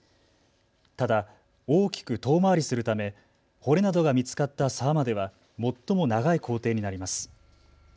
ただ、大きく遠回りするため骨などが見つかった沢までは最も長い行程になります。